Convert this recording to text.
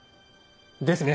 ですね。